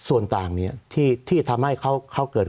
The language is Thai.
สวัสดีครับทุกคน